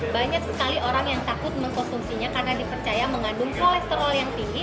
banyak sekali orang yang takut mengkonsumsinya karena dipercaya mengandung kolesterol yang tinggi